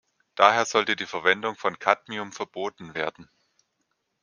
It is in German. Daher sollte die Verwendung von Cadmium verboten werden.